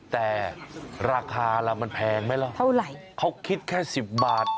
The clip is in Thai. แต่ราคาล่ะมันแพงไหมล่ะเท่าไหร่เขาคิดแค่สิบบาท